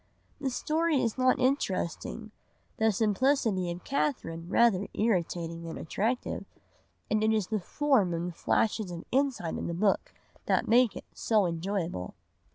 The story is not interesting, the simplicity of Catherine rather irritating than attractive, and it is the form and the flashes of insight in the book that make it so enjoyable.